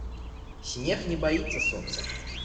Снег не баіцца сонца.